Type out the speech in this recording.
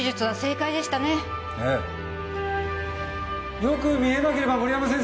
よく見えなければ森山先生